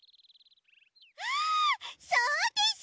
あそうです！